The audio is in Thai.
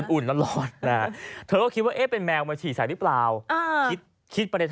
อุ่นแล้วนะครับ